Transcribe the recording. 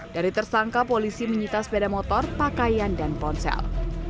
dari tersangka polisi menyita sepeda motor pakaian dan ponsel